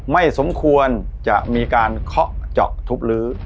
ไม่สมควรจะมีการเคาะเจาะทุบลื้อ